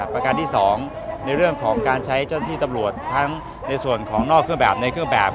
ประการที่๒ในเรื่องของการใช้เจ้าหน้าที่ตำรวจทั้งในส่วนของนอกเครื่องแบบในเครื่องแบบ